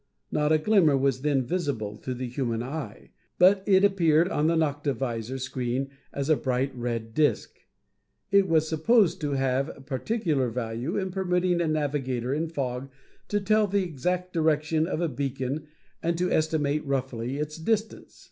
Not a glimmer was then visible to the human eye, but it appeared on the noctovisor screen as a bright red disc. It was supposed to have particular value in permitting a navigator in a fog to tell the exact direction of a beacon and to estimate roughly its distance.